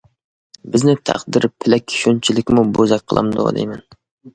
بىزنى تەقدىر پېلەك شۇنچىلىكمۇ بوزەك قىلامدۇ دەيمەن.